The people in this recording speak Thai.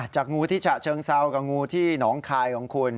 จากงูที่เจอเชิงเซาก็งูที่น้องคายของคุณ